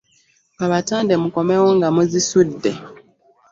Kabatande mukomewo nga muzisudde.